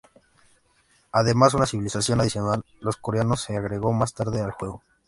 Además, una civilización adicional, los coreanos, se agregó más tarde al juego.